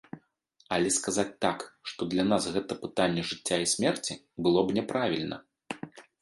Але сказаць так, што для нас гэта пытанне жыцця і смерці, было б няправільна.